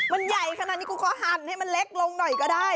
มันใหญ่ขนาดนี้กูขอหั่นให้มันเล็กลงหน่อยก็ได้